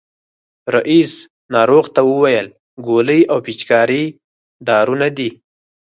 رئیس ناروغ ته وویل ګولۍ او پيچکاري دارو نه دي.